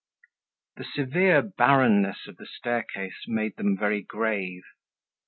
The severe barrenness of the staircase made them very grave.